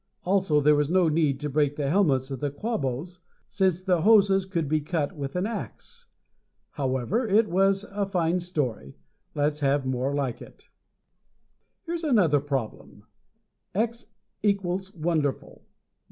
Also, there was no need to break the helmets of the Quabos, since the hoses could be cut with an ax. However, it was a fine story. Let's have more like it. Here is another problem. X equals wonderful.